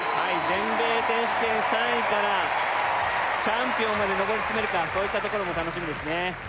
全米選手権３位からチャンピオンまで上り詰めるかそういったところも楽しみですね